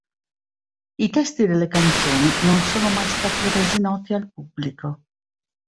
I testi delle canzoni non sono mai stati resi noti al pubblico.